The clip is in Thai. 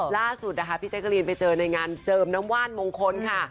ล่าสุดนะคะพี่แจ๊กรีนไปเจอในงานเจิมน้ำว่านมงคลค่ะ